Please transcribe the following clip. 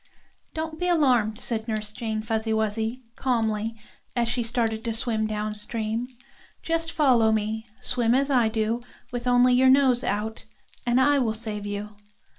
"Don't be alarmed," said Nurse Jane Fuzzy Wuzzy, calmly, as she started to swim down stream. "Just follow me; swim as I do, with only your nose out, and I will save you."